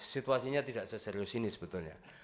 situasinya tidak seserius ini sebetulnya